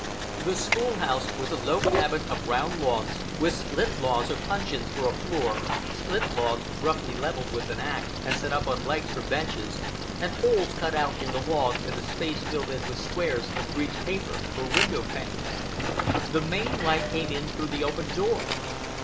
The school house was a low cabin of round logs, with split logs or "puncheons" for a floor, split logs roughly leveled with an ax and set up on legs for benches, and holes cut out in the logs and the space filled in with squares of greased paper for window panes. The main light came in through the open door.